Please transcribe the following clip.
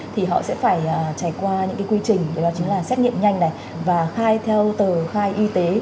thì họ sẽ phải trải qua những cái quy trình đó chính là xét nghiệm nhanh này và khai theo tờ khai y tế